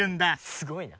すごいな。